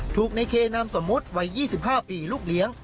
ถูกในเคนามสมมุติวัย๒๕ปีลูกเลี้ยง